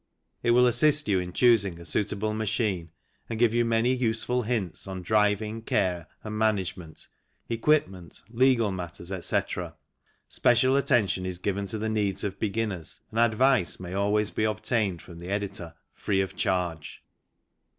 T will assist you in choosing a suit able machine, and give you many useful hints on driv ing, care and man agement, equipment, legal matters, etc. Special attention is given to the needs of beginners, and ad vice may always be obtained from the Editor, free of charge.